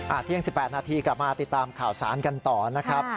เที่ยง๑๘นาทีกลับมาติดตามข่าวสารกันต่อนะครับ